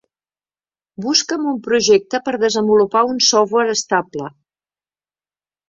Busca'm un projecte per desenvolupar un software estable.